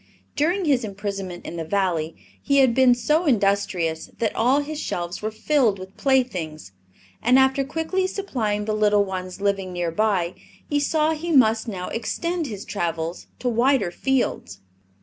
During his imprisonment in the Valley he had been so industrious that all his shelves were filled with playthings, and after quickly supplying the little ones living near by he saw he must now extend his travels to wider fields.